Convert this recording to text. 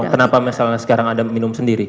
kenapa misalnya sekarang ada minum sendiri